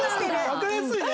わかりやすいね。